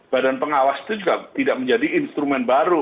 badan pengawas itu juga tidak menjadi instrumen baru